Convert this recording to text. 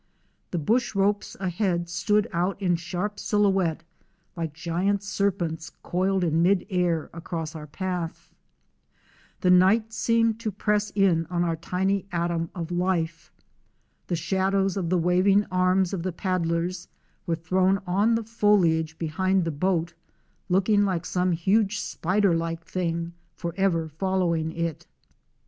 The bush ropes ahead stood out in sharp silhouette like giant serpents coiled in mid air across our path. The night seemed to press in on our tiny atom of life. The shadows of the waving arms of the paddlers were thrown on the foliage behind the boat, looking like some huge spider like thing forever following it.